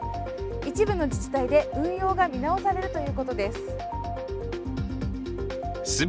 一部の自治体で運用が見直されるということです。